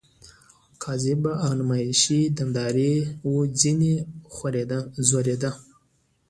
کاذبه او نمایشي دینداري وه ځنې ځورېده.